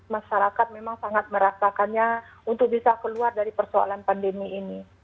masyarakat memang sangat merasakannya untuk bisa keluar dari persoalan pandemi ini